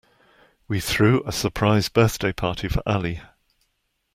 We threw a surprise birthday party for Ali.